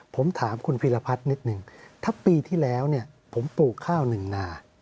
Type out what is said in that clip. ผมถามคุณพีรพัฒน์นิดนึงถ้าปีที่แล้วเนี่ยผมปลูกข้าวหนึ่งนา